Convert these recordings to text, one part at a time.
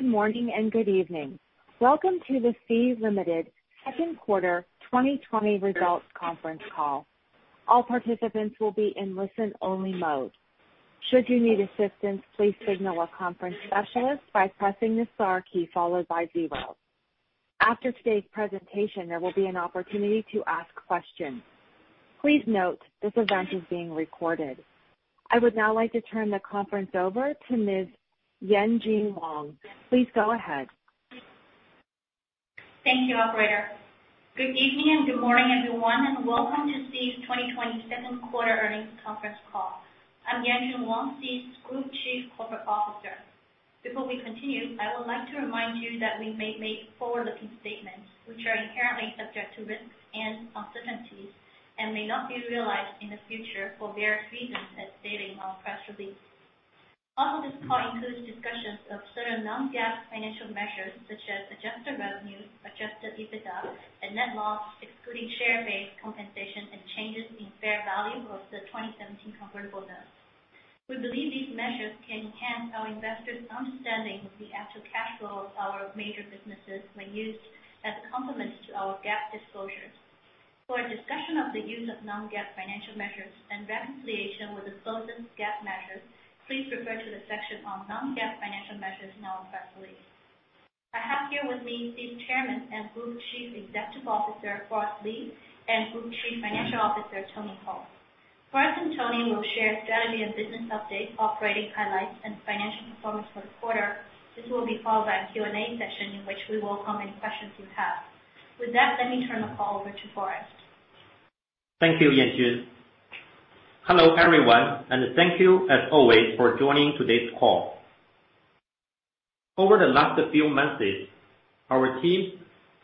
Good morning, and good evening. Welcome to the Sea Limited second quarter 2020 results conference call. All participants will be in listen only mode. Should you need assistants, please signal a conference specialist by pressing the star key followed by zero. After today presentation there will be an opportunity to ask question. Please note that this event is being recorded. I would now like to turn the conference over to Ms. Yanjun Wang. Please go ahead. Thank you, operator. Good evening and good morning, everyone, and welcome to Sea's 2020 second quarter earnings conference call. I'm Yanjun Wang, Sea's Group Chief Corporate Officer. Before we continue, I would like to remind you that we may make forward-looking statements which are inherently subject to risks and uncertainties and may not be realized in the future for various reasons as stated on press release. Also, this call includes discussions of certain non-GAAP financial measures such as adjusted revenues, adjusted EBITDA, and net loss, excluding share-based compensation and changes in fair value of the 2017 convertible notes. We believe these measures can enhance our investors' understanding of the actual cash flow of our major businesses when used as complements to our GAAP disclosures. For a discussion of the use of non-GAAP financial measures and reconciliation with the closest GAAP measures, please refer to the section on non-GAAP financial measures in our press release. I have here with me Sea's Chairman and Group Chief Executive Officer, Forrest Li, and Group Chief Financial Officer, Tony Hou. Forrest and Tony will share strategy and business updates, operating highlights, and financial performance for the quarter. This will be followed by a Q&A session in which we welcome any questions you have. With that, let me turn the call over to Forrest. Thank you, Yanjun. Hello, everyone, and thank you as always for joining today's call. Over the last few months, our teams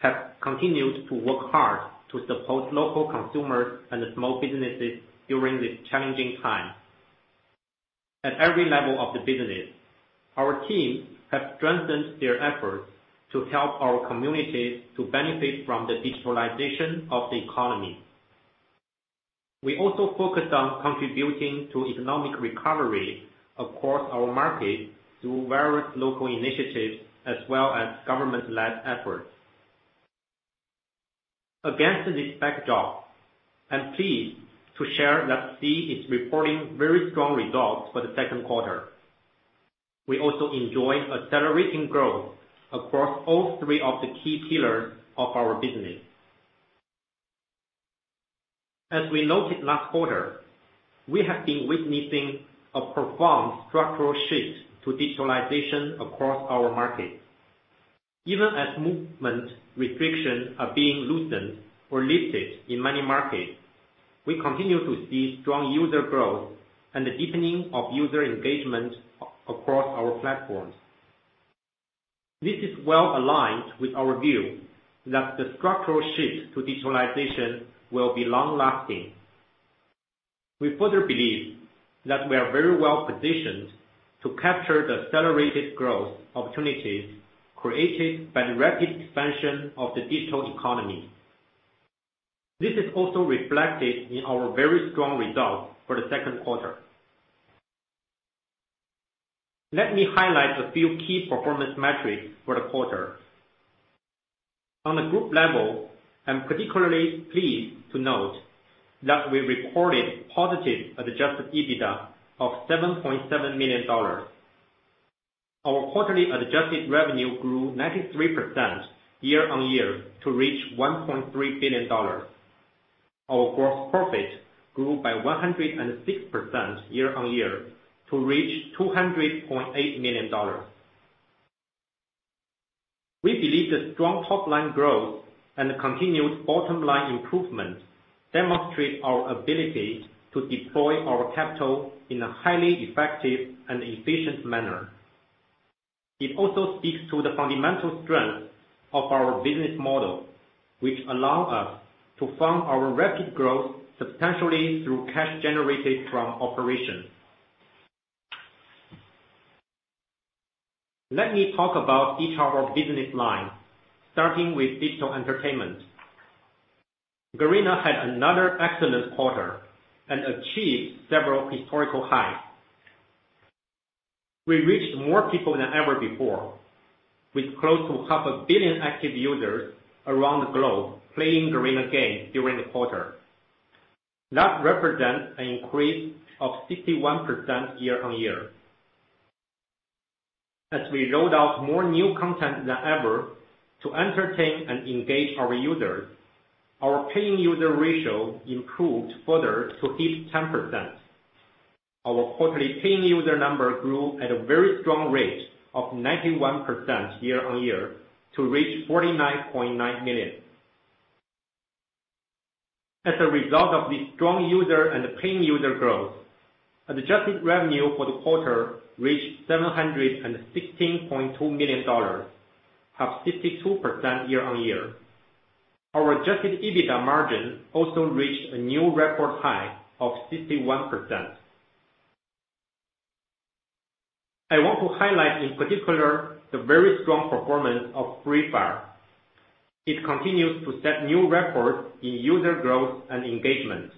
have continued to work hard to support local consumers and small businesses during this challenging time. At every level of the business, our teams have strengthened their efforts to help our communities to benefit from the digitalization of the economy. We also focused on contributing to economic recovery across our markets through various local initiatives as well as government-led efforts. Against this backdrop, I'm pleased to share that Sea is reporting very strong results for the second quarter. We also enjoy accelerating growth across all three of the key pillars of our business. As we noted last quarter, we have been witnessing a profound structural shift to digitalization across our markets. Even as movement restrictions are being loosened or lifted in many markets, we continue to see strong user growth and the deepening of user engagement across our platforms. This is well aligned with our view that the structural shift to digitalization will be long-lasting. We further believe that we are very well positioned to capture the accelerated growth opportunities created by the rapid expansion of the digital economy. This is also reflected in our very strong results for the second quarter. Let me highlight a few key performance metrics for the quarter. On a group level, I'm particularly pleased to note that we recorded positive adjusted EBITDA of $7.7 million. Our quarterly adjusted revenue grew 93% year-on-year to reach $1.3 billion. Our gross profit grew by 106% year-on-year to reach $200.8 million. We believe the strong top-line growth and continued bottom-line improvement demonstrate our ability to deploy our capital in a highly effective and efficient manner. It also speaks to the fundamental strength of our business model, which allows us to fund our rapid growth substantially through cash generated from operations. Let me talk about each of our business lines, starting with digital entertainment. Garena had another excellent quarter and achieved several historical highs. We reached more people than ever before, with close to half a billion active users around the globe playing Garena games during the quarter. That represents an increase of 61% year-on-year. As we rolled out more new content than ever to entertain and engage our users, our paying user ratio improved further to 50%. Our quarterly paying user number grew at a very strong rate of 91% year-on-year to reach 49.9 million. As a result of this strong user and paying user growth, adjusted revenue for the quarter reached $716.2 million, up 62% year-on-year. Our adjusted EBITDA margin also reached a new record high of 61%. I want to highlight in particular the very strong performance of Free Fire. It continues to set new records in user growth and engagement.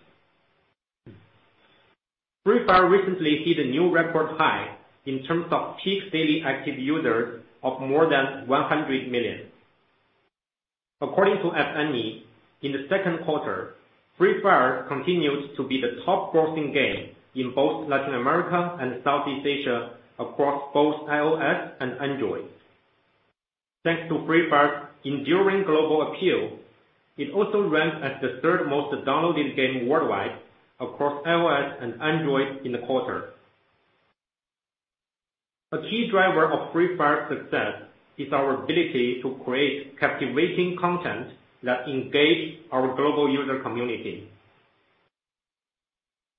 Free Fire recently hit a new record high in terms of peak daily active users of more than 100 million. According to App Annie, in the second quarter, Free Fire continued to be the top grossing game in both Latin America and Southeast Asia across both iOS and Android. Thanks to Free Fire's enduring global appeal, it also ranked as the third most downloaded game worldwide across iOS and Android in the quarter. A key driver of Free Fire's success is our ability to create captivating content that engages our global user community.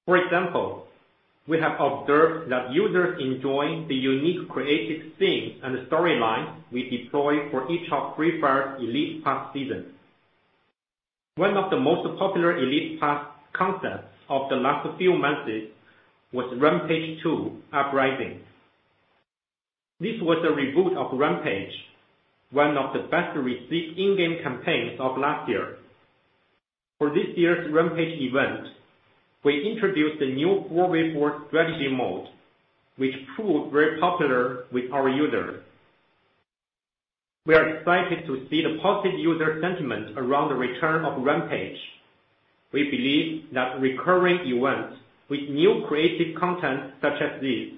For example, we have observed that users enjoy the unique creative themes and the storyline we deploy for each of Free Fire's Elite Pass seasons. One of the most popular Elite Pass concepts of the last few months was Rampage II: Uprising. This was a reboot of Rampage, one of the best received in-game campaigns of last year. For this year's Rampage event, we introduced the new four-way war strategy mode, which proved very popular with our users. We are excited to see the positive user sentiment around the return of Rampage. We believe that recurring events with new creative content such as this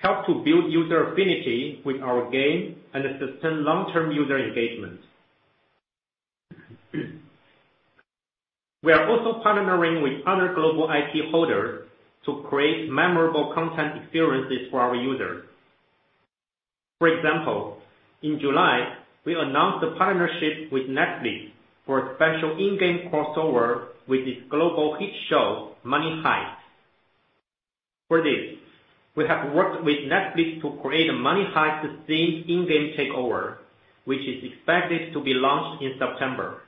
help to build user affinity with our game and sustain long-term user engagement. We are also partnering with other global IP holders to create memorable content experiences for our users. For example, in July, we announced a partnership with Netflix for a special in-game crossover with its global hit show, Money Heist. For this, we have worked with Netflix to create a Money Heist themed in-game takeover, which is expected to be launched in September.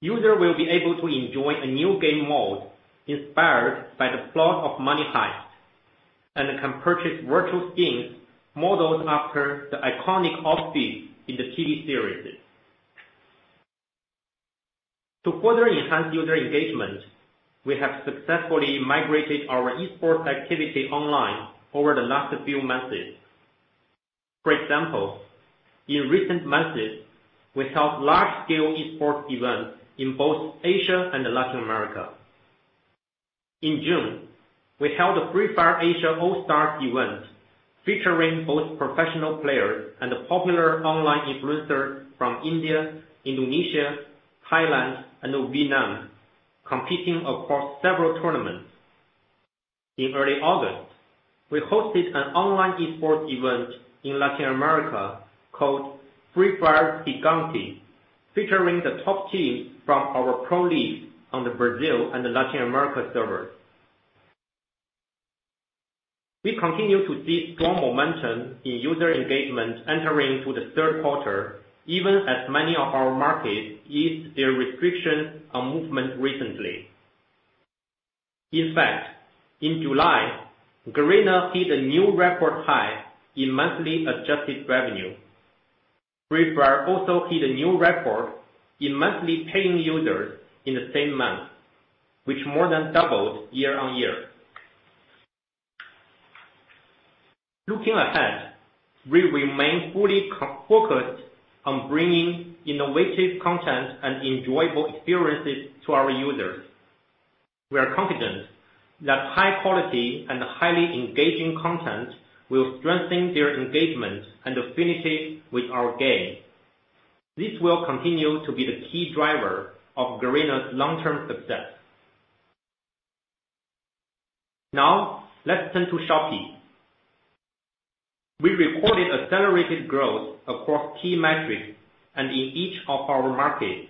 Users will be able to enjoy a new game mode inspired by the plot of Money Heist, and can purchase virtual skins modeled after the iconic outfits in the TV series. To further enhance user engagement, we have successfully migrated our esports activity online over the last few months. For example, in recent months, we held large-scale esports events in both Asia and Latin America. In June, we held a Free Fire Asia All Stars event featuring both professional players and popular online influencers from India, Indonesia, Thailand, and Vietnam competing across several tournaments. In early August, we hosted an online esports event in Latin America called Free Fire Gigantes, featuring the top teams from our pro leagues on the Brazil and the Latin America servers. We continue to see strong momentum in user engagement entering into the third quarter, even as many of our markets eased their restrictions on movement recently. In fact, in July, Garena hit a new record high in monthly adjusted revenue. Free Fire also hit a new record in monthly paying users in the same month, which more than doubled year on year. Looking ahead, we remain fully focused on bringing innovative content and enjoyable experiences to our users. We are confident that high quality and highly engaging content will strengthen their engagement and affinities with our game. This will continue to be the key driver of Garena's long-term success. Let's turn to Shopee. We recorded accelerated growth across key metrics and in each of our markets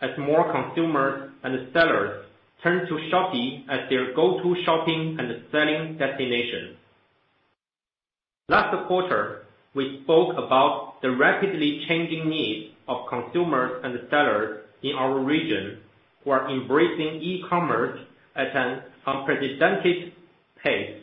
as more consumers and sellers turn to Shopee as their go-to shopping and selling destination. Last quarter, we spoke about the rapidly changing needs of consumers and sellers in our region who are embracing e-commerce at an unprecedented pace.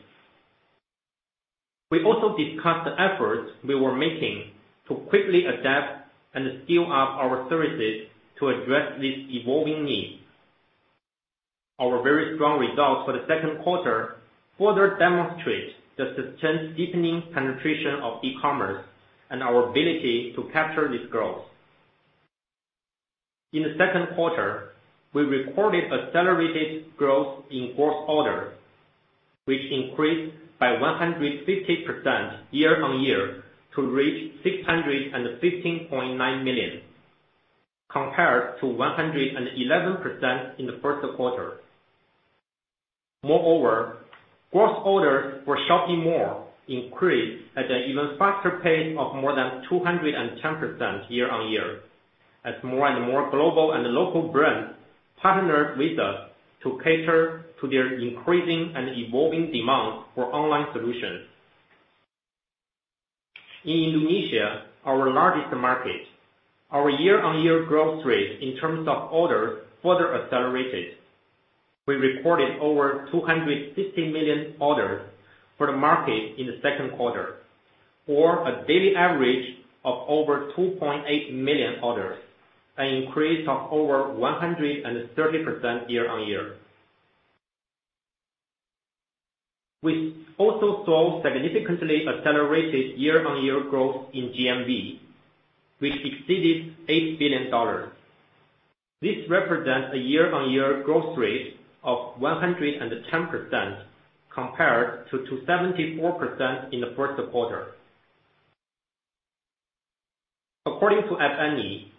We also discussed the efforts we were making to quickly adapt and scale up our services to address these evolving needs. Our very strong results for the second quarter further demonstrate the sustained deepening penetration of e-commerce and our ability to capture this growth. In the second quarter, we recorded accelerated growth in gross orders, which increased by 150% year-on-year to reach 615.9 million, compared to 111% in the first quarter. Moreover, gross orders for Shopee Mall increased at an even faster pace of more than 210% year-on-year as more and more global and local brands partnered with us to cater to their increasing and evolving demand for online solutions. In Indonesia, our largest market, our year-on-year growth rate in terms of orders further accelerated. We recorded over 250 million orders for the market in the second quarter, or a daily average of over 2.8 million orders, an increase of over 130% year-on-year. We also saw significantly accelerated year-on-year growth in GMV, which exceeded $8 billion. This represents a year-on-year growth rate of 110% compared to 74% in the first quarter. According to App Annie,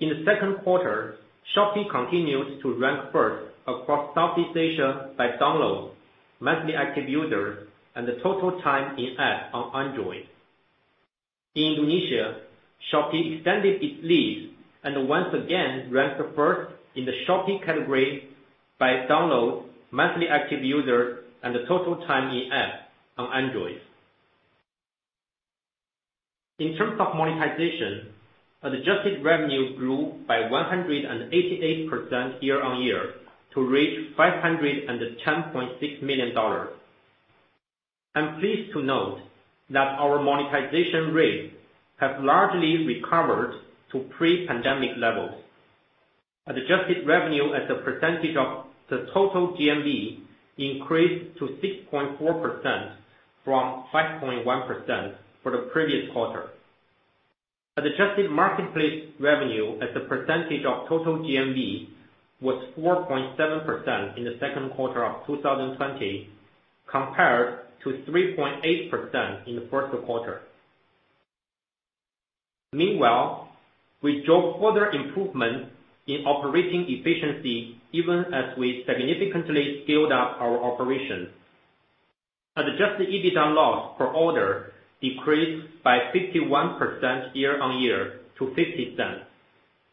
in the second quarter, Shopee continued to rank first across Southeast Asia by downloads, monthly active users, and the total time in-app on Android. In Indonesia, Shopee extended its lead, and once again ranked first in the shopping category by downloads, monthly active users, and the total time in-app on Android. In terms of monetization, adjusted revenue grew by 188% year-on-year to reach $510.6 million. I'm pleased to note that our monetization rates have largely recovered to pre-pandemic levels. Adjusted revenue as a percentage of the total GMV increased to 6.4% from 5.1% for the previous quarter. Adjusted marketplace revenue as a percentage of total GMV was 4.7% in the second quarter of 2020, compared to 3.8% in the first quarter. Meanwhile, we drove further improvement in operating efficiency, even as we significantly scaled up our operations. Adjusted EBITDA loss per order decreased by 51% year-on-year to $0.50,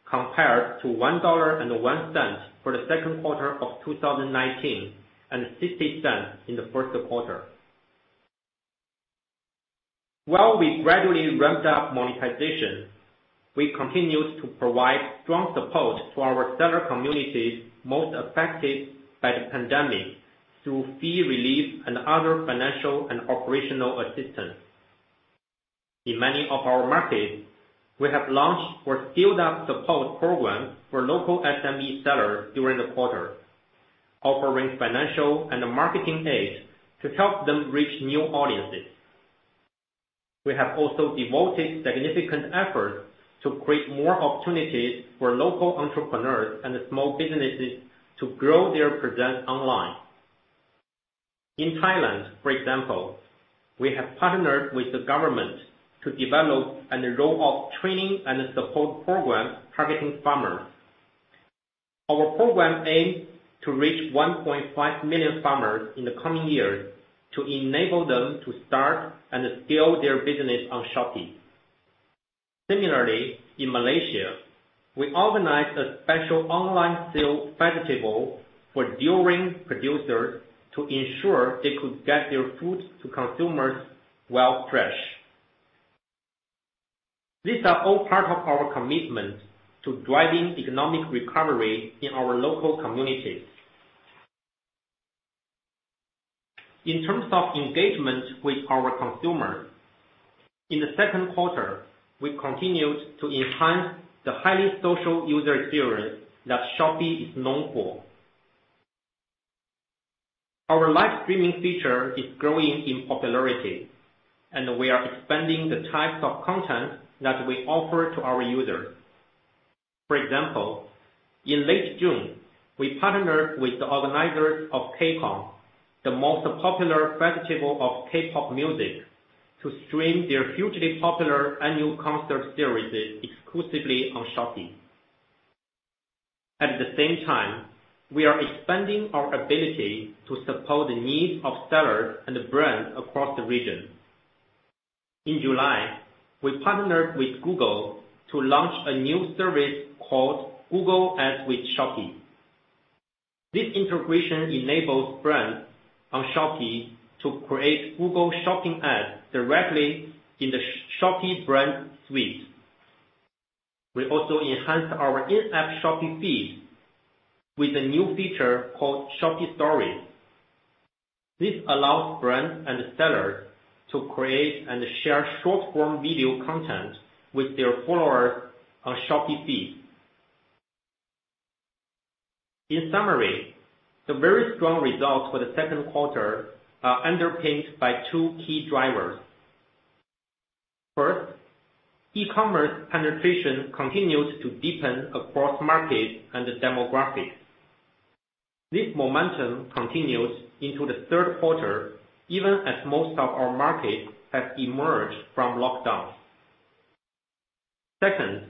compared to $1.01 for the second quarter of 2019 and $0.60 in the first quarter. While we gradually ramped up monetization, we continued to provide strong support to our seller communities most affected by the pandemic through fee relief and other financial and operational assistance. In many of our markets, we have launched or scaled up support programs for local SME sellers during the quarter, offering financial and marketing aid to help them reach new audiences. We have also devoted significant effort to create more opportunities for local entrepreneurs and small businesses to grow their presence online. In Thailand, for example, we have partnered with the government to develop and roll out training and support programs targeting farmers. Our program aims to reach 1.5 million farmers in the coming years to enable them to start and scale their business on Shopee. Similarly, in Malaysia, we organized a special online sale festival for durian producers to ensure they could get their fruit to consumers while fresh. These are all part of our commitment to driving economic recovery in our local communities. In terms of engagement with our consumers, in the second quarter, we continued to enhance the highly social user experience that Shopee is known for. Our live streaming feature is growing in popularity, and we are expanding the types of content that we offer to our users. For example, in late June, we partnered with the organizers of KCON, the most popular festival of K-pop music, to stream their hugely popular annual concert series exclusively on Shopee. At the same time, we are expanding our ability to support the needs of sellers and brands across the region. In July, we partnered with Google to launch a new service called Google Ads with Shopee. This integration enables brands on Shopee to create Google Shopping ads directly in the Shopee Brand Suite. We also enhanced our in-app Shopee Feed with a new feature called Shopee Story. This allows brands and sellers to create and share short-form video content with their followers on Shopee Feed. In summary, the very strong results for the second quarter are underpinned by two key drivers. First, e-commerce penetration continued to deepen across markets and demographics. This momentum continued into the third quarter, even as most of our markets have emerged from lockdowns. Second,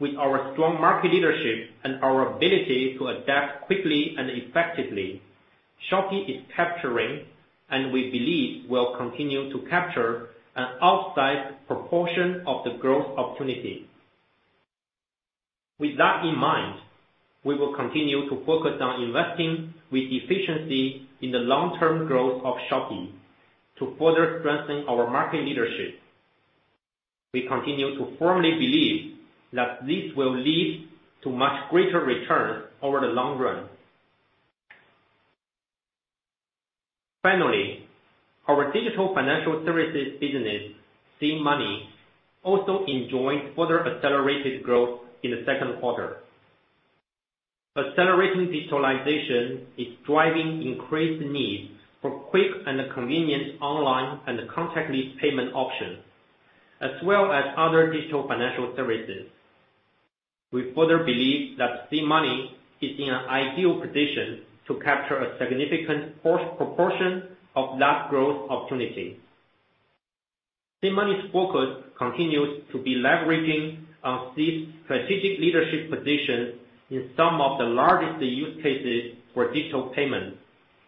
with our strong market leadership and our ability to adapt quickly and effectively, Shopee is capturing, and we believe will continue to capture, an outsized proportion of the growth opportunity. With that in mind, we will continue to focus on investing with efficiency in the long-term growth of Shopee to further strengthen our market leadership. We continue to firmly believe that this will lead to much greater returns over the long run. Finally, our digital financial services business, SeaMoney, also enjoyed further accelerated growth in the second quarter. Accelerating digitalization is driving increased need for quick and convenient online and contactless payment options, as well as other digital financial services. We further believe that SeaMoney is in an ideal position to capture a significant proportion of that growth opportunity. SeaMoney's focus continues to be leveraging on this strategic leadership position in some of the largest use cases for digital payment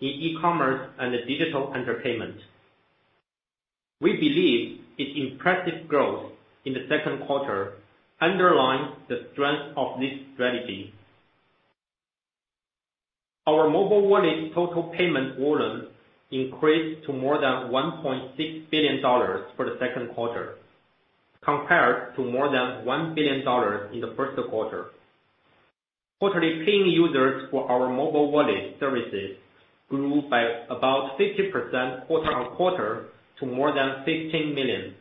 in e-commerce and digital entertainment. We believe its impressive growth in the second quarter underlines the strength of this strategy. Our mobile wallet total payment volume increased to more than $1.6 billion for the second quarter, compared to more than $1 billion in the first quarter. Quarterly paying users for our mobile wallet services grew by about 60% quarter-on-quarter to more than 16 million.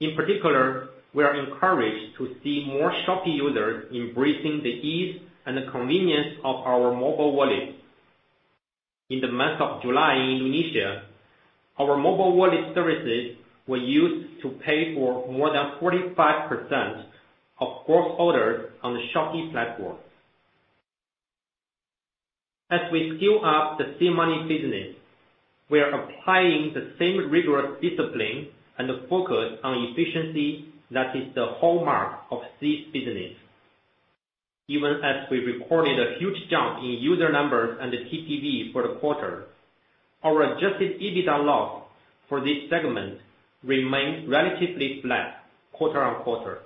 In particular, we are encouraged to see more Shopee users embracing the ease and the convenience of our mobile wallet. In the month of July in Indonesia, our mobile wallet services were used to pay for more than 45% of gross orders on the Shopee platform. As we scale up the SeaMoney business, we are applying the same rigorous discipline and focus on efficiency that is the hallmark of this business. Even as we recorded a huge jump in user numbers and the TPV for the quarter, our adjusted EBITDA loss for this segment remained relatively flat quarter-on-quarter.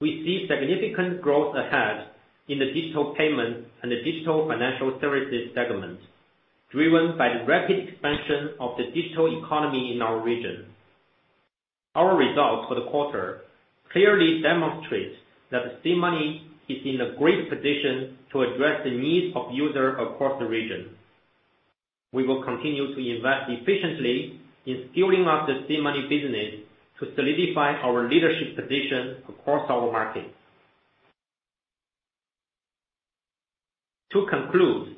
We see significant growth ahead in the digital payment and the digital financial services segment, driven by the rapid expansion of the digital economy in our region. Our results for the quarter clearly demonstrate that SeaMoney is in a great position to address the needs of users across the region. We will continue to invest efficiently in scaling up the SeaMoney business to solidify our leadership position across our markets. To conclude,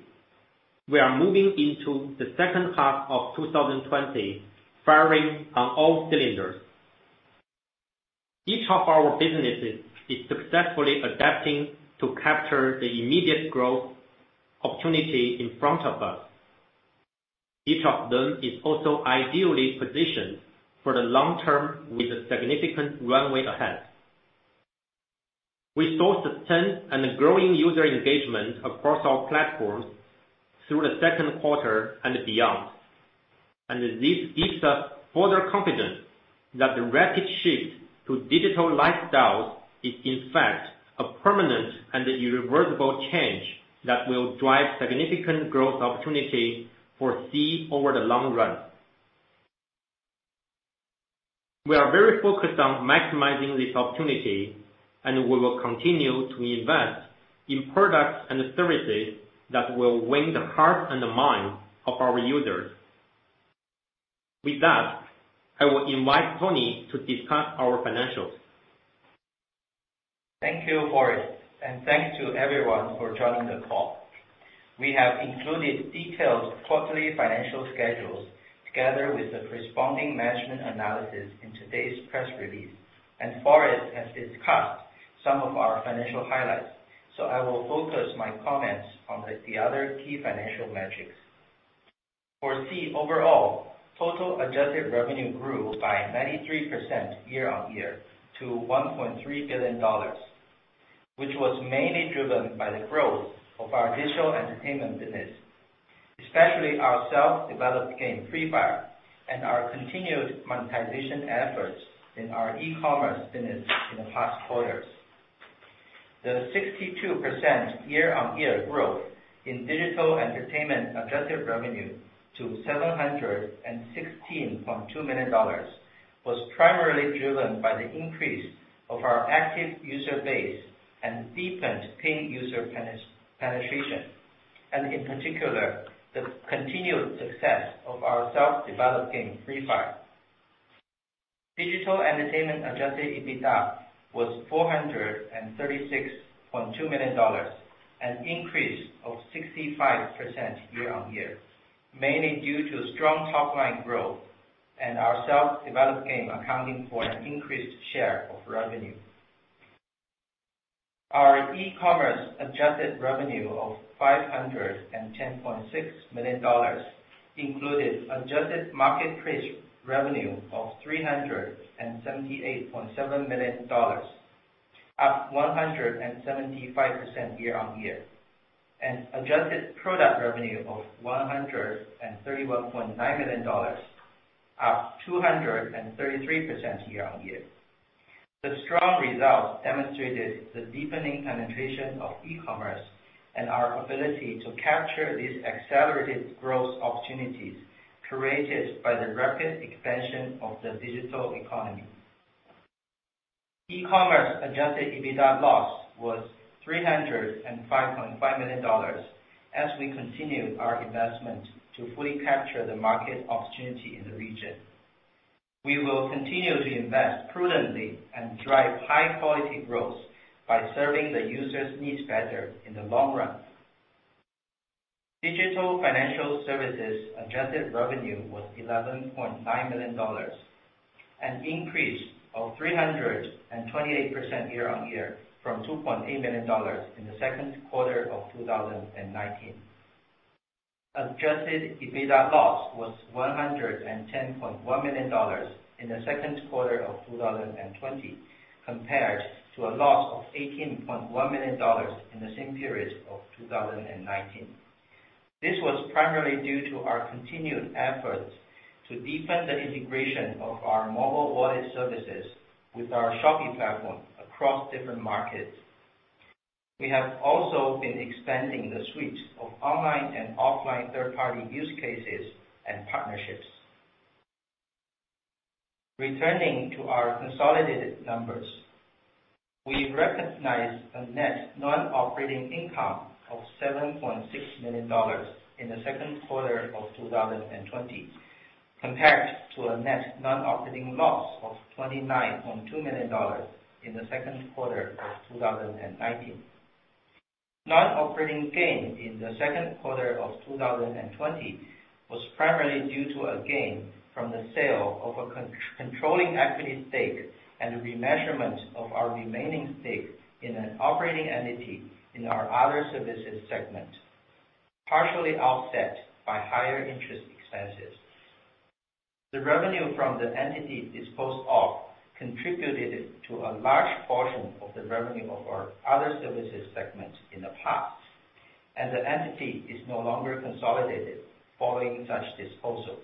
we are moving into the second half of 2020 firing on all cylinders. Each of our businesses is successfully adapting to capture the immediate growth opportunity in front of us. Each of them is also ideally positioned for the long term with a significant runway ahead. We saw sustained and growing user engagement across our platforms through the second quarter and beyond. This gives us further confidence that the rapid shift to digital lifestyles is, in fact, a permanent and irreversible change that will drive significant growth opportunity for Sea over the long run. We are very focused on maximizing this opportunity. We will continue to invest in products and services that will win the heart and the mind of our users. With that, I will invite Tony to discuss our financials. Thank you, Forrest. Thanks to everyone for joining the call. We have included detailed quarterly financial schedules together with the corresponding management analysis in today's press release. Forrest has discussed some of our financial highlights, so I will focus my comments on the other key financial metrics. For Sea overall, total adjusted revenue grew by 93% year-on-year to $1.3 billion, which was mainly driven by the growth of our digital entertainment business, especially our self-developed game, Free Fire, and our continued monetization efforts in our e-commerce business in the past quarters. The 62% year-on-year growth in digital entertainment adjusted revenue to $716.2 million was primarily driven by the increase of our active user base and deepened paying user penetration, and in particular, the continued success of our self-developed game, Free Fire. Digital entertainment adjusted EBITDA was $436.2 million, an increase of 65% year-on-year, mainly due to strong top-line growth and our self-developed game accounting for an increased share of revenue. Our e-commerce adjusted revenue of $510.6 million included adjusted marketplace revenue of $378.7 million, up 175% year-on-year, and adjusted product revenue of $131.9 million, up 233% year-on-year. The strong results demonstrated the deepening penetration of e-commerce and our ability to capture these accelerated growth opportunities created by the rapid expansion of the digital economy. E-commerce adjusted EBITDA loss was $305.5 million as we continued our investment to fully capture the market opportunity in the region. We will continue to invest prudently and drive high quality growth by serving the users' needs better in the long run. Digital Financial Services adjusted revenue was $11.9 million, an increase of 328% year-on-year from $2.8 million in the second quarter of 2019. Adjusted EBITDA loss was $110.1 million in the second quarter of 2020, compared to a loss of $18.1 million in the same period of 2019. This was primarily due to our continued efforts to deepen the integration of our mobile wallet services with our Shopee platform across different markets. We have also been expanding the suite of online and offline third-party use cases and partnerships. Returning to our consolidated numbers, we recognized a net non-operating income of $7.6 million in the second quarter of 2020, compared to a net non-operating loss of $29.2 million in the second quarter of 2019. Non-operating gain in the second quarter of 2020 was primarily due to a gain from the sale of a controlling equity stake and remeasurement of our remaining stake in an operating entity in our other services segment, partially offset by higher interest expenses. The revenue from the entity disposed of contributed to a large portion of the revenue of our other services segments in the past, and the entity is no longer consolidated following such disposal.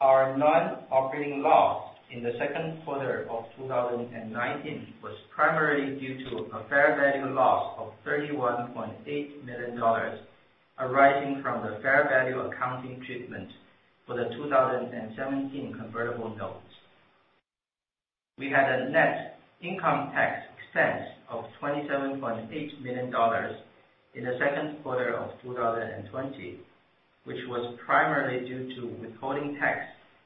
Our non-operating loss in the second quarter of 2019 was primarily due to a fair value loss of $31.8 million arising from the fair value accounting treatment for the 2017 convertible notes. We had a net income tax expense of $27.8 million in the second quarter of 2020, which was primarily due to withholding tax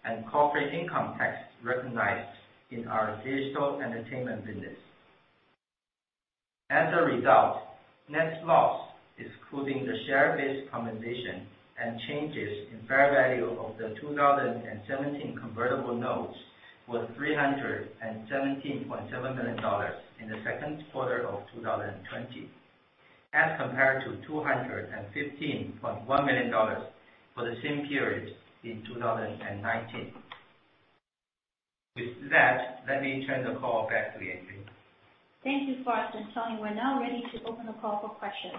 and corporate income tax recognized in our digital entertainment business. As a result, net loss, excluding the share-based compensation and changes in fair value of the 2017 convertible notes, was $317.7 million in the second quarter of 2020 as compared to $215.1 million for the same period in 2019. With that, let me turn the call back to Yanjun. Thank you, Forrest and Tony. We're now ready to open the call for questions.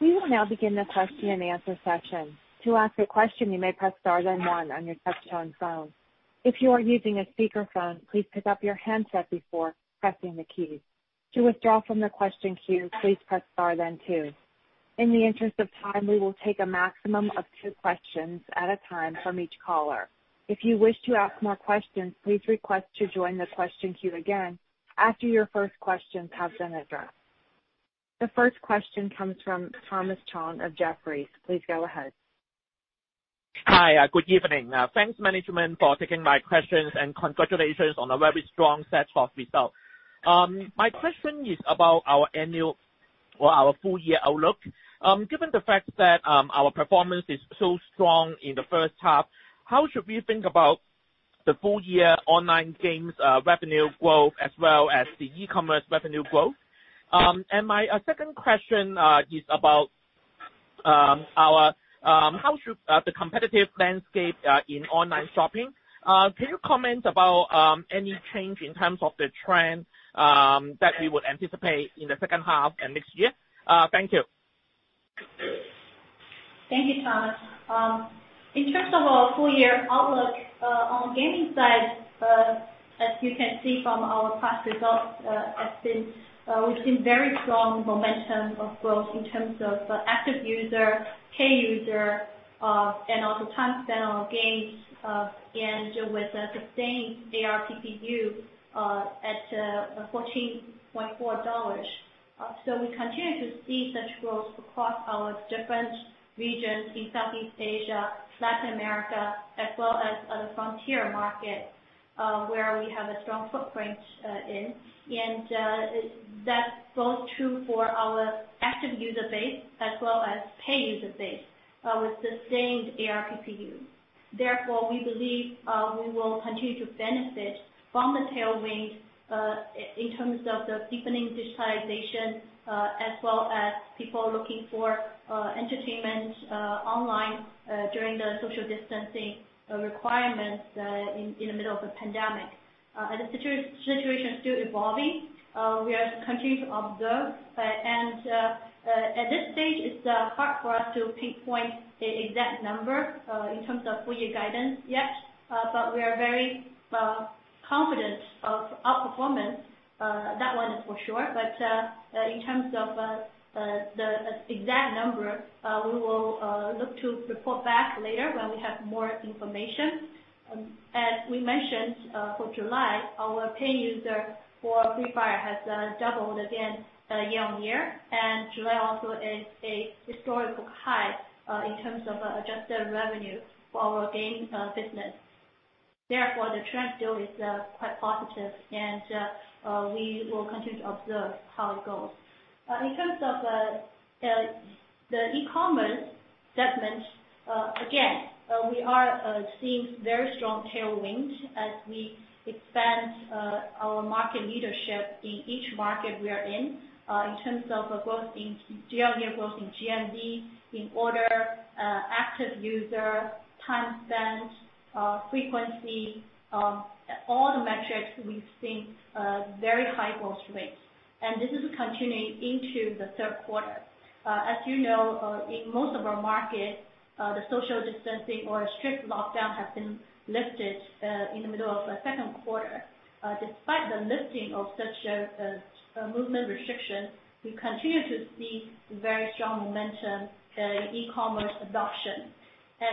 We will now begin the question and answer session. To ask a question, you may press star then one on your touch-tone phone. If you are using a speakerphone, please pick up your handset before pressing the key. To withdraw from the question queue, please press star then two. In the interest of time, we will take a maximum of two questions at a time from each caller. If you wish to ask more questions, please request to join the question queue again after your first question has been addressed. The first question comes from Thomas Chong of Jefferies. Please go ahead. Hi. Good evening. Thanks, management, for taking my questions, and congratulations on a very strong set of results. My question is about our annual or our full-year outlook. Given the fact that our performance is so strong in the first half, how should we think about the full-year online games revenue growth as well as the e-commerce revenue growth? My second question is about the competitive landscape in online shopping. Can you comment about any change in terms of the trend that we would anticipate in the second half and next year? Thank you. Thank you, Thomas. In terms of our full-year outlook, on the gaming side, as you can see from our past results, we've seen very strong momentum of growth in terms of active user, paying user, and also time spent on games, with a sustained ARPPU at $14.4. We continue to see such growth across our different regions in Southeast Asia, Latin America, as well as other frontier markets where we have a strong footprint in. That's both true for our active user base as well as paying user base with sustained ARPPU. Therefore, we believe we will continue to benefit from the tailwinds in terms of the deepening digitization as well as people looking for entertainment online during the social distancing requirements in the middle of the pandemic. The situation is still evolving. We are continuing to observe, and at this stage, it's hard for us to pinpoint the exact number in terms of full-year guidance yet, but we are very confident of our performance. That one is for sure. In terms of the exact number, we will look to report back later when we have more information. As we mentioned, for July, our paying user for Free Fire has doubled again year on year. July also is a historical high in terms of adjusted revenue for our game business. Therefore, the trend still is quite positive, and we will continue to observe how it goes. In terms of the e-commerce segment, again, we are seeing very strong tailwinds as we expand our market leadership in each market we are in terms of year-on-year growth in GMV, in order, active user, time spent, frequency, all the metrics we've seen very high growth rates. This is continuing into the third quarter. As you know, in most of our markets, the social distancing or strict lockdown has been lifted in the middle of the second quarter. Despite the lifting of such a movement restriction, we continue to see very strong momentum in e-commerce adoption.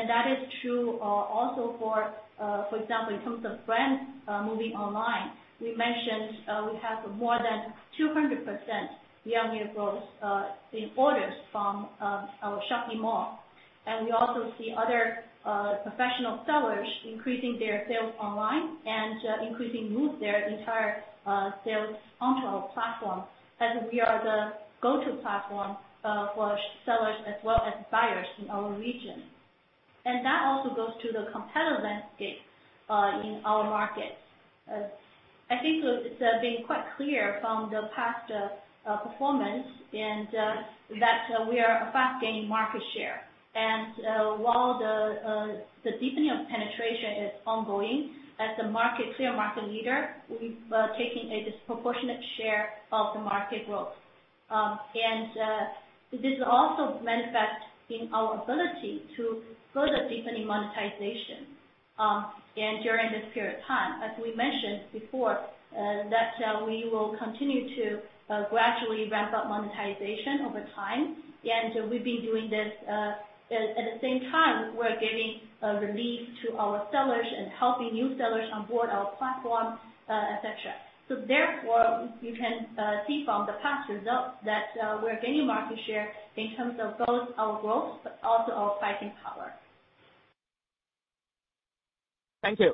That is true also for example, in terms of brands moving online. We mentioned we have more than 200% year-on-year growth in orders from our Shopee Mall. We also see other professional sellers increasing their sales online and increasingly move their entire sales onto our platform as we are the go-to platform for sellers as well as buyers in our region. That also goes to the competitive landscape in our markets. I think it's been quite clear from the past performance that we are fast gaining market share. While the deepening of penetration is ongoing as the clear market leader, we've taken a disproportionate share of the market growth. This also manifests in our ability to further deepen in monetization during this period of time. As we mentioned before, that we will continue to gradually ramp up monetization over time. We've been doing this. At the same time, we're giving relief to our sellers and helping new sellers onboard our platform, etc. Therefore, you can see from the past results that we're gaining market share in terms of both our growth, but also our buying power. Thank you.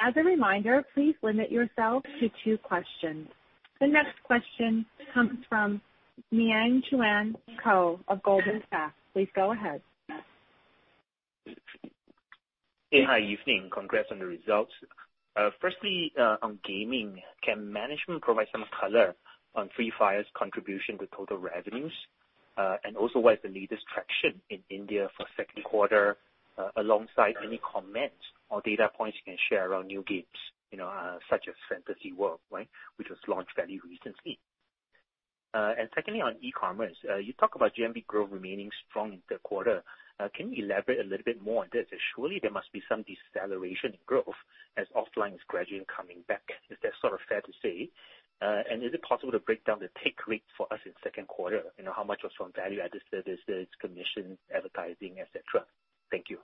As a reminder, please limit yourself to two questions. The next question comes from Miang Chuen Koh of Goldman Sachs. Please go ahead. Hey. Hi, evening. Congrats on the results. Firstly, on gaming, can management provide some color on Free Fire's contribution to total revenues? What is the latest traction in India for second quarter, alongside any comments or data points you can share around new games, such as Fantasy Town, which was launched very recently. Secondly, on e-commerce, you talk about GMV growth remaining strong in the quarter. Can you elaborate a little bit more on this? Surely there must be some deceleration in growth as offline is gradually coming back. Is that sort of fair to say? Is it possible to break down the take rate for us in second quarter? How much was from value-added services, commission, advertising, etc? Thank you.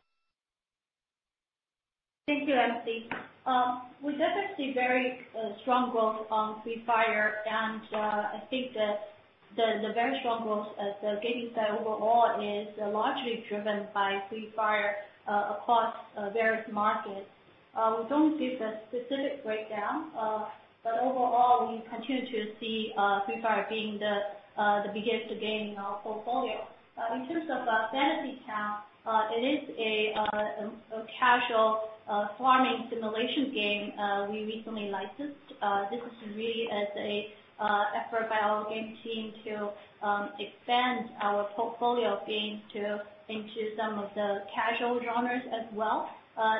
Thank you, Miang. We definitely see very strong growth on Free Fire, and I think the very strong growth as a gaming site overall is largely driven by Free Fire across various markets. We don't give the specific breakdown. Overall, we continue to see Free Fire being the biggest game in our portfolio. In terms of Fantasy Town, it is a casual farming simulation game we recently licensed. This is really as an effort by our game team to expand our portfolio of games into some of the casual genres as well.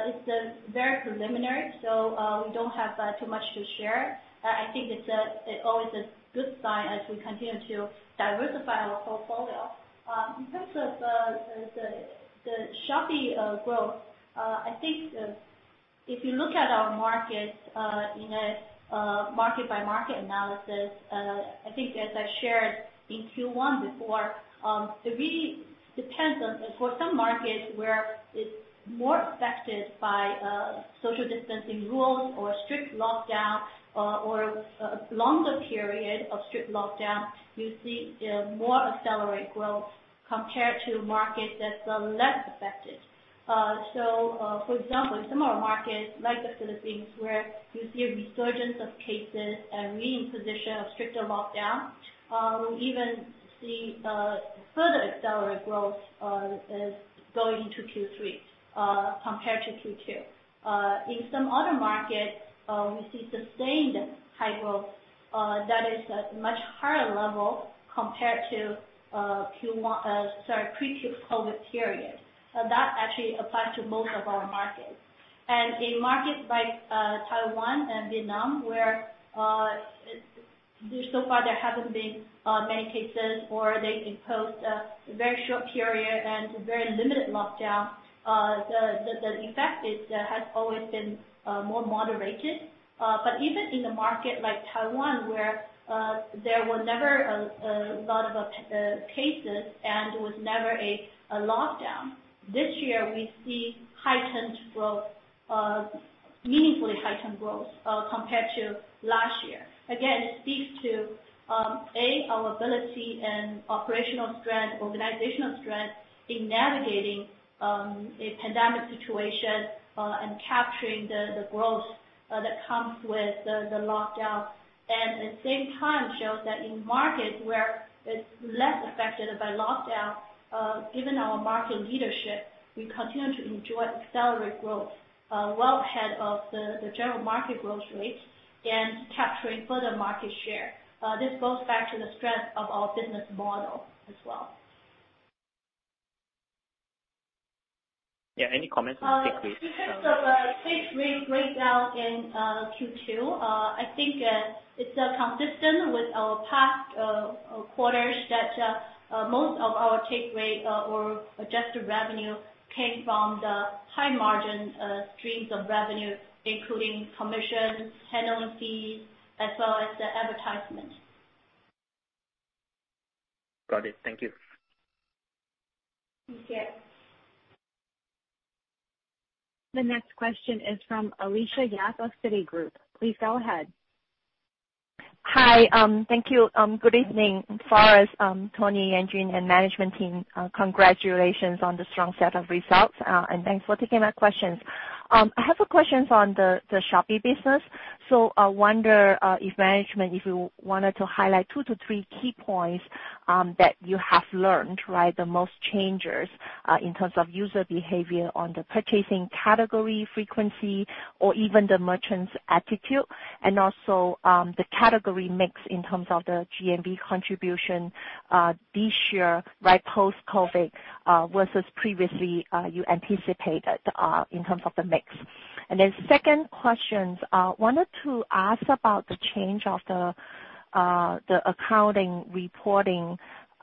It's very preliminary, so we don't have too much to share. I think it's always a good sign as we continue to diversify our portfolio. In terms of the Shopee growth, I think if you look at our markets in a market-by-market analysis, I think as I shared in Q1 before, it really depends. For some markets where it's more affected by social distancing rules or strict lockdown or longer period of strict lockdown, you see a more accelerated growth compared to markets that are less affected. For example, in some of our markets like the Philippines, where you see a resurgence of cases, a reimposition of stricter lockdown, we even see further accelerated growth going into Q3 compared to Q2. In some other markets, we see sustained high growth that is at a much higher level compared to pre-COVID period. That actually applies to most of our markets. In markets like Taiwan and Vietnam, where so far there haven't been many cases, or they imposed a very short period and very limited lockdown, the effect has always been more moderated. Even in a market like Taiwan, where there were never a lot of cases and was never a lockdown, this year, we see meaningfully heightened growth compared to last year. Again, it speaks to, A, our ability and operational strength, organizational strength in navigating a pandemic situation and capturing the growth that comes with the lockdown. At the same time, shows that in markets where it's less affected by lockdown, given our market leadership, we continue to enjoy accelerated growth well ahead of the general market growth rates and capturing further market share. This goes back to the strength of our business model as well. Yeah. Any comments on Take Rate? In terms of Take Rate breakdown in Q2, I think it's consistent with our past quarters that most of our Take Rate or adjusted revenue came from the high-margin streams of revenue, including commissions, handling fees, as well as the advertisement. Got it. Thank you. Thank you. The next question is from Alicia Yap of Citigroup. Please go ahead. Hi. Thank you. Good evening, Forrest, Tony, Yanjun, and management team. Congratulations on the strong set of results, and thanks for taking my questions. I have some questions on the Shopee business. I wonder if management, if you wanted to highlight two to three key points that you have learned, the most changers in terms of user behavior on the purchasing category frequency or even the merchants' attitude, and also the category mix in terms of the GMV contribution this year post-COVID versus previously you anticipated in terms of the mix. Second questions, wanted to ask about the change of the accounting reporting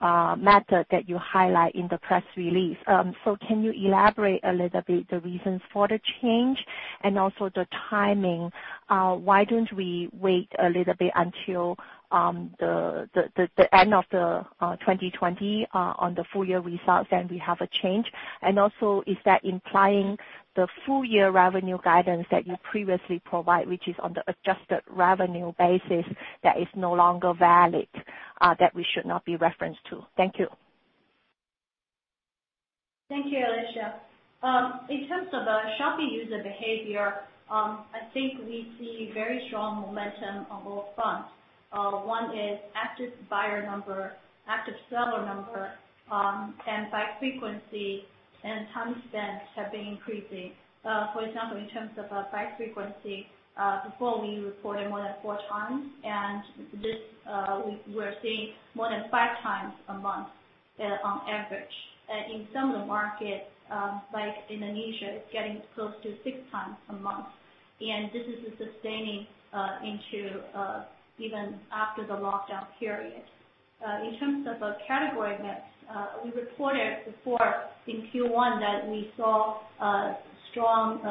method that you highlight in the press release. Can you elaborate a little bit the reasons for the change and also the timing? Why don't we wait a little bit until the end of the 2020 on the full-year results, then we have a change? Also, is that implying the full-year revenue guidance that you previously provide, which is on the adjusted revenue basis that is no longer valid, that we should not be referenced to? Thank you. Thank you, Alicia. In terms of the Shopee user behavior, I think we see very strong momentum on all fronts. One is active buyer number, active seller number, and buy frequency and time spent have been increasing. For example, in terms of buy frequency, before we reported more than four times, we're seeing more than five times a month on average. In some of the markets, like Indonesia, it's getting close to six times a month. This is sustaining into even after the lockdown period. In terms of category mix, we reported before in Q1 that we saw strong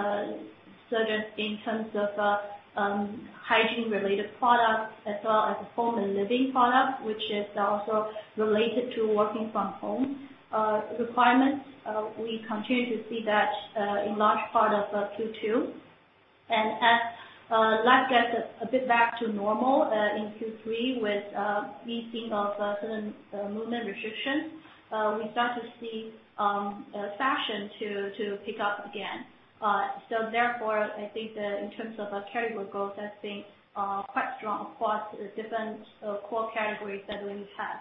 surges in terms of hygiene-related products as well as home and living products, which is also related to working from home requirements. We continue to see that in large part of Q2. As life gets a bit back to normal in Q3 with easing of certain movement restrictions, we start to see fashion to pick up again. Therefore, I think that in terms of category growth, I think quite strong across the different core categories that we have.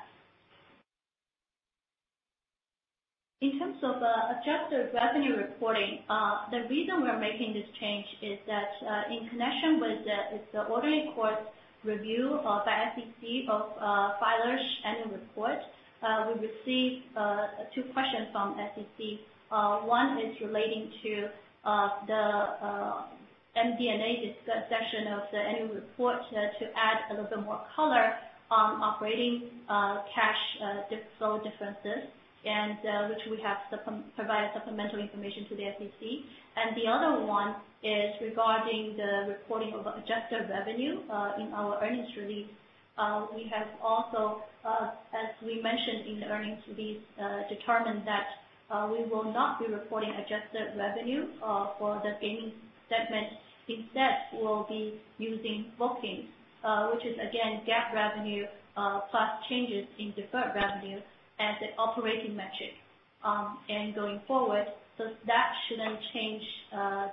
In terms of adjusted revenue reporting, the reason we're making this change is that in connection with the ordinary course review of the SEC of filers' annual report, we received two questions from SEC. One is relating to the MD&A section of the annual report to add a little bit more color on operating cash flow differences, and which we have provided supplemental information to the SEC. The other one is regarding the reporting of adjusted revenue in our earnings release. We have also, as we mentioned in the earnings release, determined that we will not be reporting adjusted revenue for the gaming segment. Instead, we'll be using bookings, which is again, GAAP revenue, plus changes in deferred revenue as the operating metric. Going forward, that shouldn't change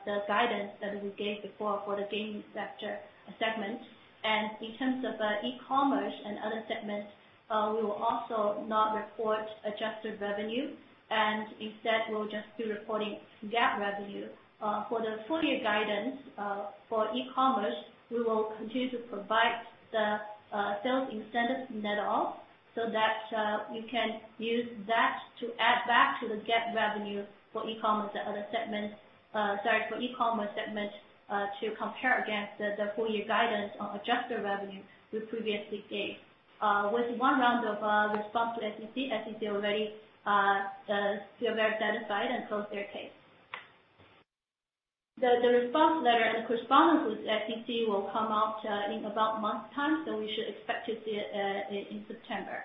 the guidance that we gave before for the gaming segment. In terms of the e-commerce and other segments, we will also not report adjusted revenue, and instead we'll just be reporting GAAP revenue. For the full year guidance for e-commerce, we will continue to provide the sales incentives net off so that you can use that to add to the GAAP revenue for e-commerce and other segments. Sorry, for e-commerce segment, to compare against the full year guidance on adjusted revenue we previously gave. With one round of response to SEC already feel very satisfied and closed their case. The response letter and correspondence with SEC will come out in about a month's time. We should expect to see it in September.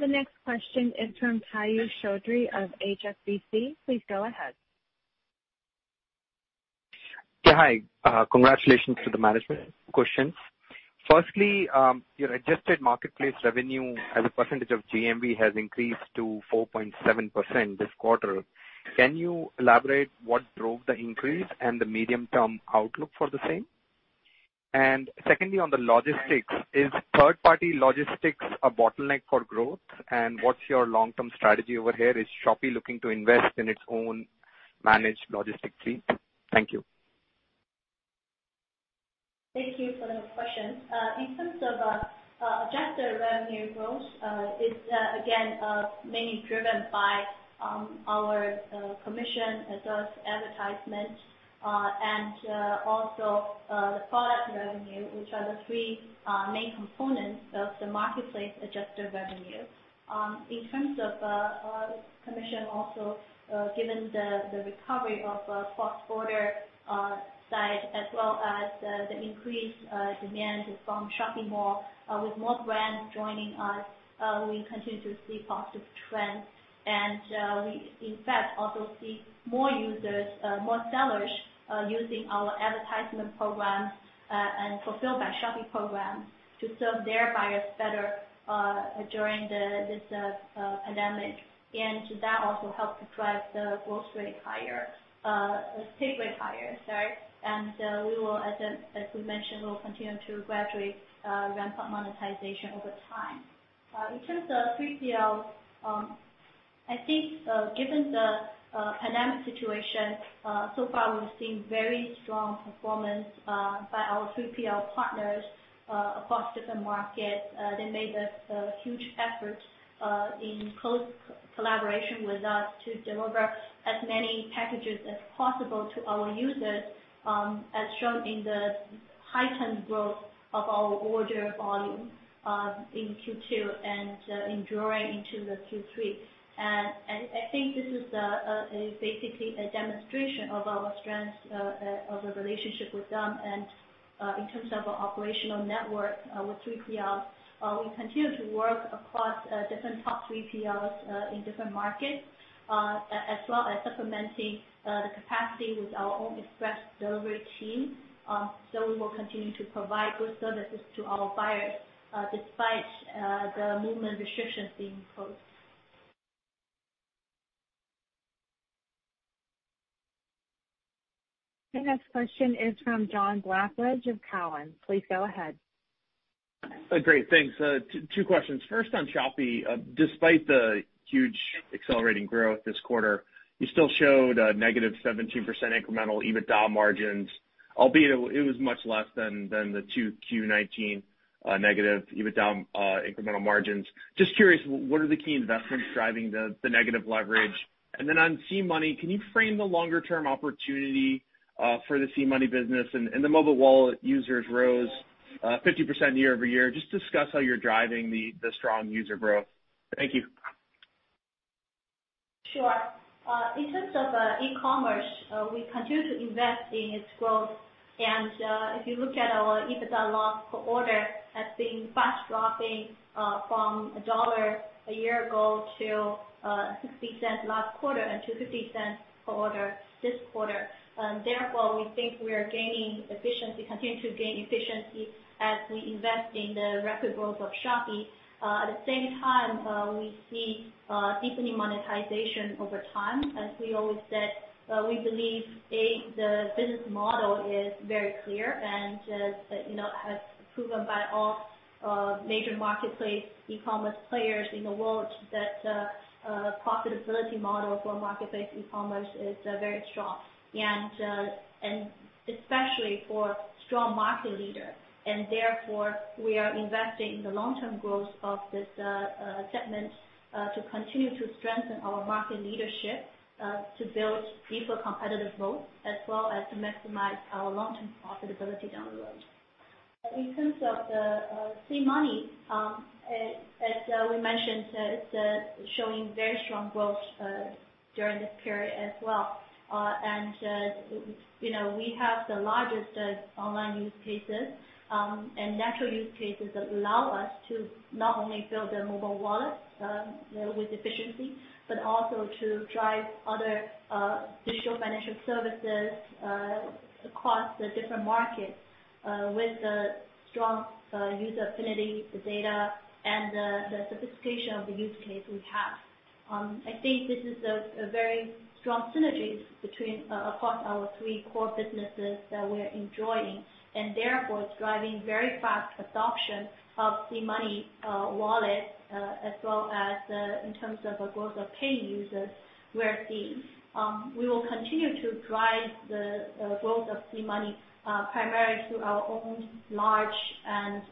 The next question is from Piyush Choudhary of HSBC. Please go ahead. Yeah, hi. Congratulations to the management. Two questions. Firstly, your adjusted marketplace revenue as a percentage of GMV has increased to 4.7% this quarter. Can you elaborate what drove the increase and the medium-term outlook for the same? Secondly, on the logistics, is third-party logistics a bottleneck for growth? What's your long-term strategy over here? Is Shopee looking to invest in its own managed logistic team? Thank you. Thank you for the question. In terms of adjusted revenue growth, it's again, mainly driven by our commission as well as advertisement, and also the product revenue, which are the three main components of the marketplace adjusted revenue. In terms of commission also, given the recovery of cross-border side, as well as the increased demand from Shopee Mall, with more brands joining us, we continue to see positive trends. We, in fact, also see more users, more sellers, using our advertisement programs, and fulfilled by Shopee programs to serve their buyers better, during this pandemic. That also helped to drive the growth rate higher, the take rate higher. Sorry. As we mentioned, we'll continue to gradually ramp up monetization over time. In terms of 3PL, I think, given the pandemic situation, so far we've seen very strong performance by our 3PL partners across different markets. They made a huge effort, in close collaboration with us, to deliver as many packages as possible to our users, as shown in the heightened growth of our order volume in Q2 and enduring into the Q3. I think this is basically a demonstration of our strength of the relationship with them and, in terms of our operational network, with 3PL. We continue to work across different top 3PLs in different markets, as well as supplementing the capacity with our own express delivery team. We will continue to provide good services to our buyers, despite the movement restrictions being posed. The next question is from John Blackledge of Cowen. Please go ahead. Great. Thanks. Two questions. First, on Shopee. Despite the huge accelerating growth this quarter, you still showed a negative 17% incremental EBITDA margins, albeit it was much less than the 2Q 2019 negative EBITDA incremental margins. Just curious, what are the key investments driving the negative leverage? Then on SeaMoney, can you frame the longer term opportunity for the SeaMoney business? The mobile wallet users rose 50% year-over-year. Just discuss how you're driving the strong user growth. Thank you. Sure. In terms of e-commerce, we continue to invest in its growth. If you look at our EBITDA loss per order as being fast dropping from $1 a year ago to $0.60 last quarter and to $0.50 per order this quarter. Therefore, we think we are gaining efficiency, continue to gain efficiency as we invest in the rapid growth of Shopee. At the same time, we see deepening monetization over time. As we always said, we believe the business model is very clear and has proven by all major marketplace e-commerce players in the world that profitability model for marketplace e-commerce is very strong. Especially for strong market leader. Therefore, we are investing in the long-term growth of this segment, to continue to strengthen our market leadership, to build deeper competitive moat, as well as to maximize our long-term profitability down the road. In terms of the SeaMoney, as we mentioned, it's showing very strong growth during this period as well. We have the largest online use cases, natural use cases allow us to not only build a mobile wallet with efficiency, but also to drive other digital financial services across the different markets with strong user affinity, the data, and the sophistication of the use case we have. I think this is a very strong synergies across our three core businesses that we are enjoying, therefore it's driving very fast adoption of SeaMoney wallet, as well as in terms of the growth of paying users we are seeing. We will continue to drive the growth of SeaMoney primarily through our own large and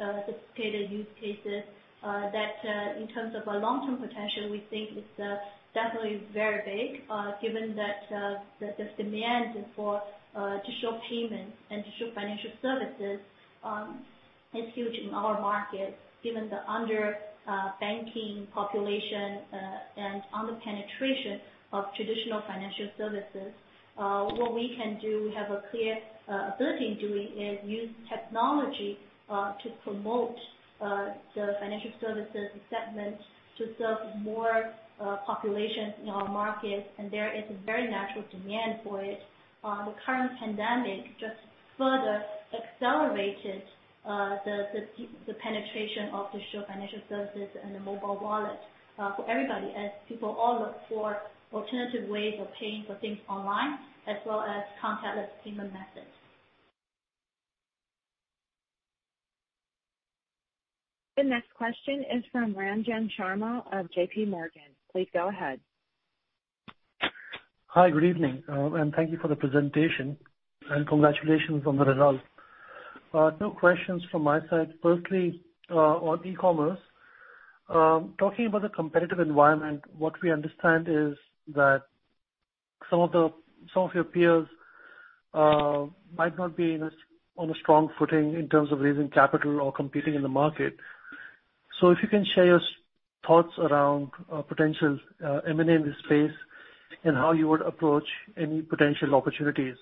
sophisticated use cases that in terms of a long-term potential, we think is definitely very big, given that this demand for digital payments and digital financial services is huge in our market, given the under-banking population, and under-penetration of traditional financial services. What we can do, we have a clear ability in doing, is use technology to promote the financial services acceptance to serve more population in our markets, and there is a very natural demand for it. The current pandemic just further accelerated the penetration of digital financial services and the mobile wallet for everybody as people all look for alternative ways of paying for things online, as well as contactless payment methods. The next question is from Ranjan Sharma of JPMorgan. Please go ahead. Hi, good evening. Thank you for the presentation, and congratulations on the results. Two questions from my side. Firstly, on e-commerce. Talking about the competitive environment, what we understand is that some of your peers might not be on a strong footing in terms of raising capital or competing in the market. If you can share your thoughts around potential M&A in this space, and how you would approach any potential opportunities.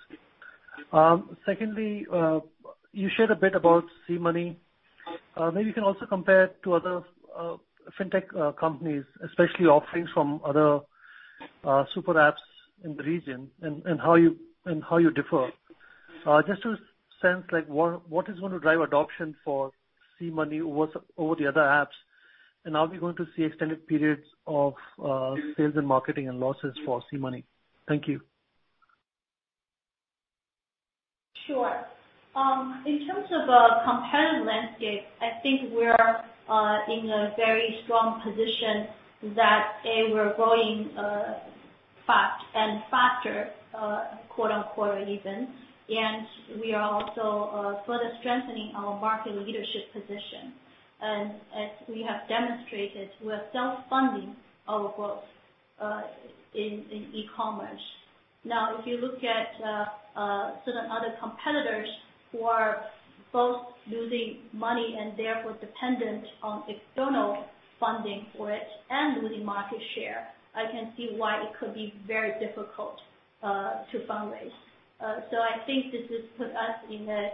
Secondly, you shared a bit about SeaMoney. Maybe you can also compare to other fintech companies, especially offerings from other super apps in the region, and how you differ. Just to sense, what is going to drive adoption for SeaMoney over the other apps, and are we going to see extended periods of sales and marketing and losses for SeaMoney? Thank you. Sure. In terms of a competitive landscape, I think we are in a very strong position that, A, we are growing fast and faster, quarter-on-quarter even, and we are also further strengthening our market leadership position. As we have demonstrated, we are self-funding our growth in e-commerce. Now, if you look at certain other competitors who are both losing money and therefore dependent on external funding for it and losing market share, I can see why it could be very difficult to fundraise. I think this has put us in a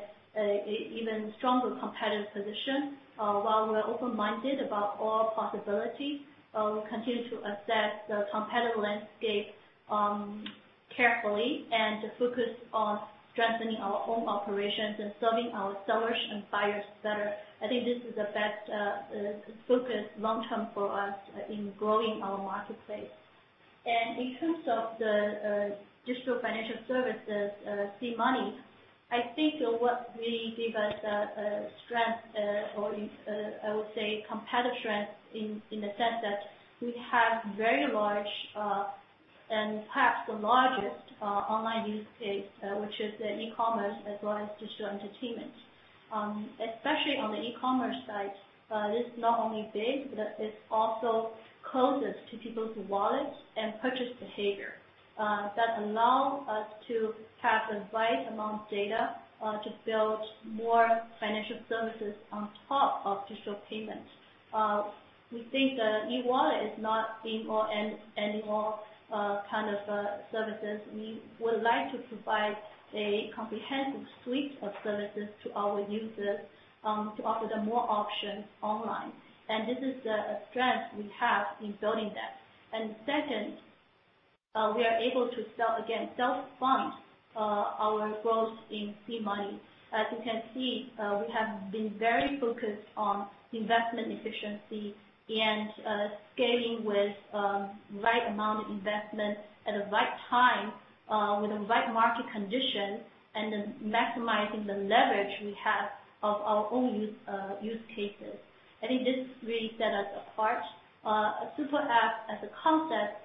even stronger competitive position. While we are open-minded about all possibilities, we will continue to assess the competitive landscape carefully and focus on strengthening our own operations and serving our sellers and buyers better. I think this is the best focus long-term for us in growing our marketplace. In terms of the digital financial services, SeaMoney, I think what really gave us a strength or I would say competitive strength in the sense that we have very large, and perhaps the largest online use case, which is the e-commerce as well as digital entertainment. Especially on the e-commerce side, it is not only big, but it is also closest to people's wallets and purchase behavior that allow us to have the right amount of data to build more financial services on top of digital payment. We think the e-wallet is not the only kind of services. We would like to provide a comprehensive suite of services to our users to offer them more options online. This is the strength we have in building that. Second, we are able to, again, self-fund our growth in SeaMoney. As you can see, we have been very focused on investment efficiency and scaling with the right amount of investment at the right time, with the right market condition and then maximizing the leverage we have of our own use cases. I think this really set us apart. A super app as a concept,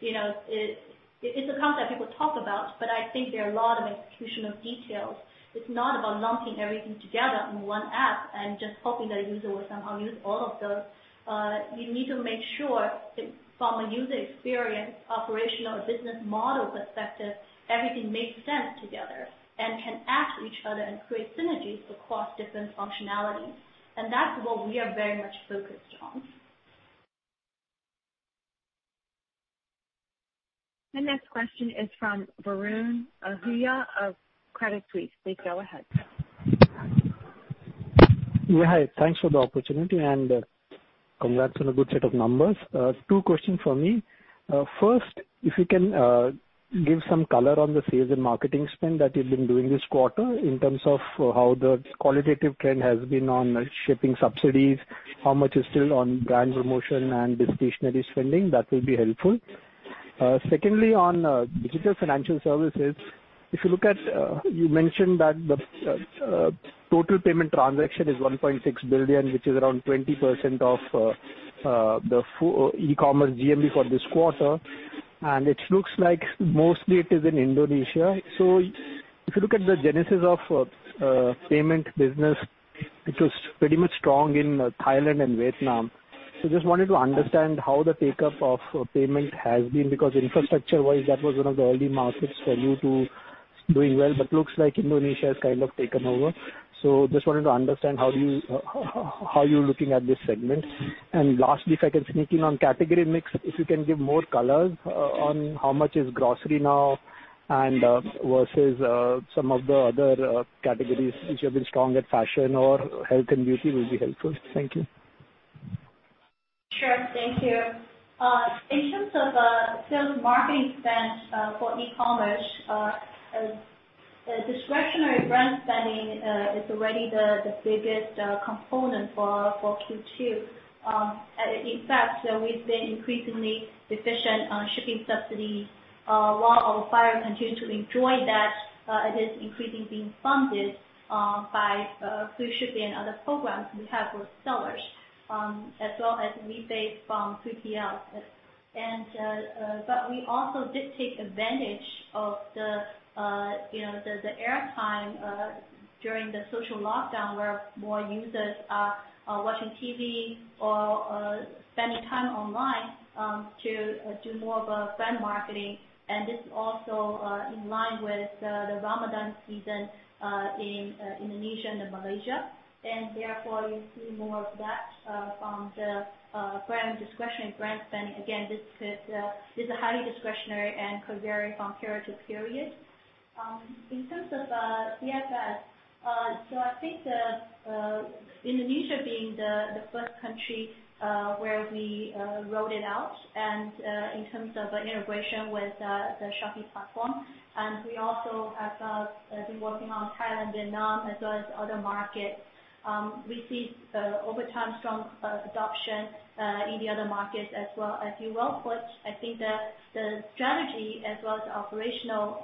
it is a concept people talk about, but I think there are a lot of execution of details. It's not about lumping everything together in one app and just hoping that a user will somehow use all of those. You need to make sure that from a user experience, operational business model perspective, everything makes sense together and can add to each other and create synergies across different functionalities. That's what we are very much focused on. The next question is from Varun Ahuja of Credit Suisse. Please go ahead. Hi. Thanks for the opportunity, congrats on a good set of numbers. Two questions from me. First, if you can give some color on the sales and marketing spend that you've been doing this quarter in terms of how the qualitative trend has been on shipping subsidies, how much is still on brand promotion and discretionary spending, that will be helpful. Secondly, on digital financial services, you mentioned that the total payment transaction is $1.6 billion, which is around 20% of the full e-commerce GMV for this quarter, and it looks like mostly it is in Indonesia. If you look at the genesis of payment business, it was pretty much strong in Thailand and Vietnam. Just wanted to understand how the take-up of payment has been, because infrastructure-wise, that was one of the early markets for you to doing well, but looks like Indonesia has kind of taken over. Just wanted to understand how you're looking at this segment. Lastly, if I can sneak in on category mix, if you can give more colors on how much is grocery now versus some of the other categories which have been strong at fashion or health and beauty will be helpful. Thank you. Sure. Thank you. In terms of sales marketing spend for e-commerce, discretionary brand spending is already the biggest component for Q2. In fact, we've been increasingly efficient on shipping subsidy. While our buyers continue to enjoy that, it is increasingly being funded by free shipping and other programs we have for sellers, as well as rebates from 3PLs. We also did take advantage of the air time during the social lockdown where more users are watching TV or spending time online to do more of a brand marketing. This is also in line with the Ramadan season in Indonesia and Malaysia. Therefore you see more of that from the brand discretionary spend. Again, this is highly discretionary and could vary from period to period. In terms of DFS, I think Indonesia being the first country where we rolled it out, and in terms of integration with the Shopee platform. We also have been working on Thailand, Vietnam, as well as other markets. We see, over time, strong adoption in the other markets as well. I think the strategy as well as the operational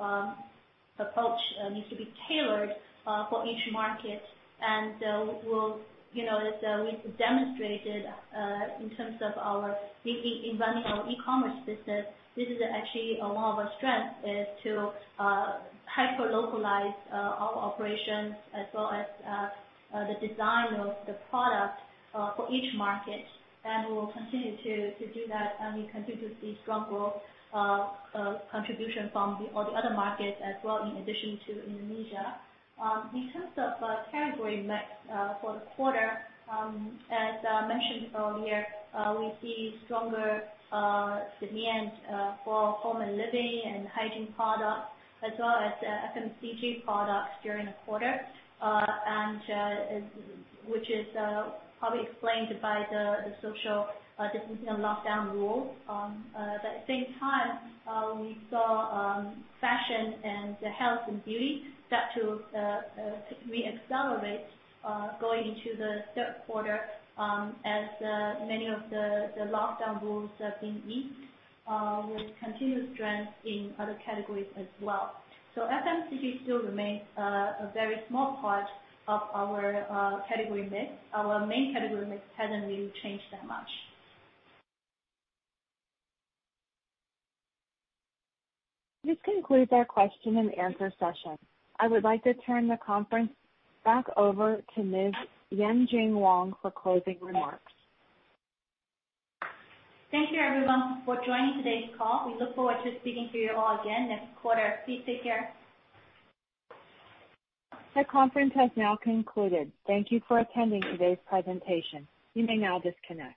approach needs to be tailored for each market. As we've demonstrated in terms of running our e-commerce business, this is actually one of our strength, is to hyper localize our operations as well as the design of the product for each market. We'll continue to do that, and we continue to see strong growth contribution from all the other markets as well, in addition to Indonesia. In terms of category mix for the quarter, as mentioned earlier, we see stronger demand for home and living and hygiene products as well as FMCG products during the quarter, which is probably explained by the social distancing and lockdown rules. At the same time, we saw fashion and health and beauty start to re-accelerate going into the third quarter as many of the lockdown rules have been eased, with continued strength in other categories as well. FMCG still remains a very small part of our category mix. Our main category mix hasn't really changed that much. This concludes our question and answer session. I would like to turn the conference back over to Ms. Yanjun Wang for closing remarks. Thank you everyone for joining today's call. We look forward to speaking to you all again next quarter. Please take care. The conference has now concluded. Thank Thank you for attending today's presentation. You may now disconnect.